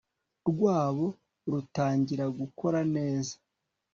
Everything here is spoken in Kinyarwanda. rwabo rutangira gukora neza